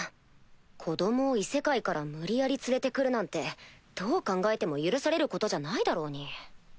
子供を異世界から無理やり連れて来るなんてどう考えても許されることじゃないだろうに。